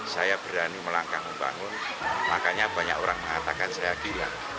saya berani melangkah membangun makanya banyak orang mengatakan saya gila